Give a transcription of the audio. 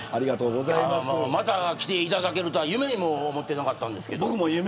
また来ていただけるとは夢にも思っていなかったのですけども。